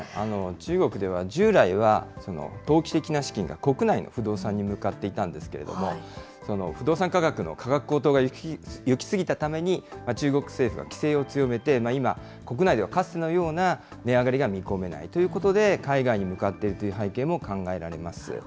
中国では従来は投機的な資金が国内の不動産に向かっていたんですけれども、不動産価格の価格高騰が行き過ぎたために、中国政府は規制を強めて、今、国内ではかつてのような値上がりが見込めないということで、海外に向かっているという背景も考えられます。